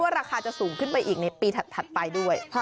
ราคาจะสูงขึ้นไปอีกในปีถัดไปด้วย